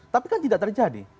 tapi kan tidak terjadi